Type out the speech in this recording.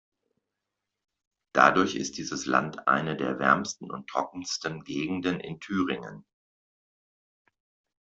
Dadurch ist dieses Land eine der wärmsten und trockensten Gegenden in Thüringen.